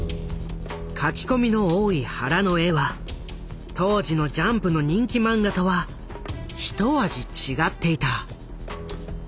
描き込みの多い原の絵は当時のジャンプの人気漫画とはひと味違っていた。